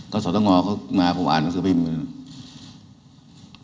ก็สวทงเขามาผมอ่านหนังสือพิมพ์